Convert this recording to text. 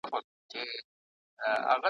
تشه له سرو میو شنه پیاله به وي ,